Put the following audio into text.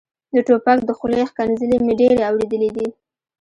د ټوپک د خولې ښکنځلې مې ډېرې اورېدلې دي.